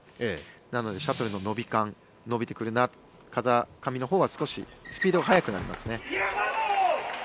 なのでシャトルの伸び感風上のほうは少しスピードが速くなりますね。